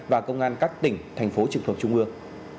và công an các tỉnh thành phố trực thuộc trung ương